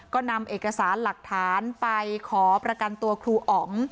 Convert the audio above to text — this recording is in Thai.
ก็นำเอกสารหลักฐานไปขอประกันตัวครูอ๋อง